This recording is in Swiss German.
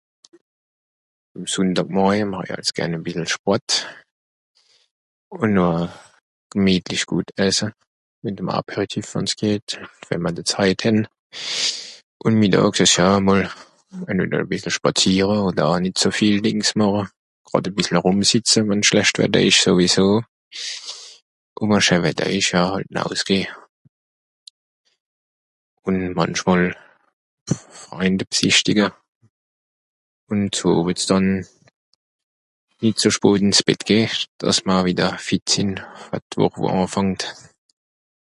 Àm Sùnndàg Morje màch i als gern e bìssel Sport, ùn noh gemietlich gùt esse, mìt'm Apéritif, wenn's geht, we'mr de Zeit hän. Ùn Mittàg (...) e mol, e bìssel spàziere odder au nìt so viel Dìngs màche. Gràd e bìssel erùmsìtze wenn schlecht Wetter ìsch sowieso, ùn wa scheen Wetter ìsch au nausgeh. Ùn mànchmol Freind bsischtige, ùn so (...). Nìt ze spot ìns Bett geh, dàss mr wìdder fit sìnn fer d'Wùch wo àfàngt.